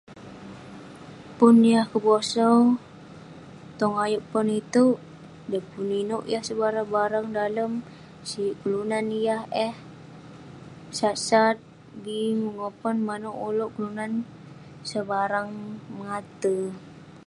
Pun yah kebosau tong ayuk pon iteuk de pun ineuk yah sebarang-barang dalem. Sik kelunan yah eh sat-sat, bi mengopon maneuk uleuk kelunan sebarang mengate.